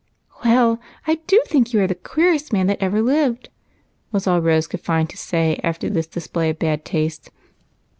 "Well, I do think you are the queerest man that ever lived !" was all Rose could find to say after this display of bad taste.